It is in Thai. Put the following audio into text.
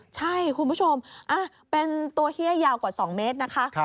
ใช่คุณผู้ชมเป็นตัวเฮียยาวกว่า๒เมตรนะคะ